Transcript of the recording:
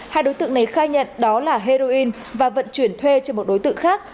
hai đối tượng này khai nhận đó là heroin và vận chuyển thuê cho một đối tượng khác